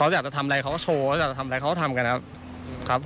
มากครับมากครับ